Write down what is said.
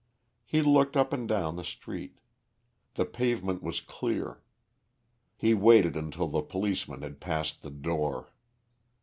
He looked up and down the street. The pavement was clear. He waited until the policeman had passed the door.